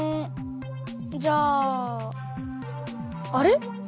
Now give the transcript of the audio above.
じゃああれ？